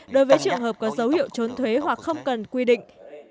đối với trường hợp có dấu hiệu trốn thuế hoặc không cần quy định